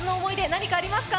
何かありますか？